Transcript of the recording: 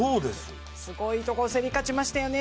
すごいところに競り勝ちましたよね。